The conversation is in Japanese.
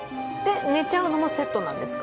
寝ちゃうのもセットなんですか？